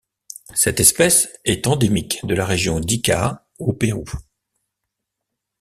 Cette espèce est endémique de la région d'Ica au Pérou.